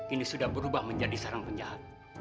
ini sudah berubah menjadi sarang penjahat